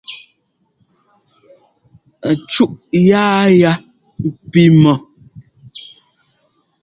Cúʼ yáa ya pí mɔ́.